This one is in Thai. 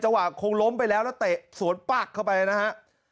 ว่าคงล้มไปแล้วแล้วเตะสวนปักเข้าไปนะฮะ